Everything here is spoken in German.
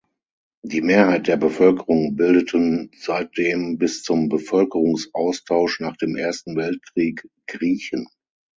Die Mehrheit der Bevölkerung bildeten seitdem bis zum Bevölkerungsaustausch nach dem Ersten Weltkrieg Griechen.